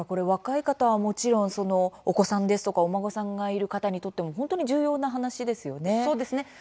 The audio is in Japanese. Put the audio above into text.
若い方はもちろんお子さんですとかお孫さんがいる方にとっても本当に重要な話ですよね。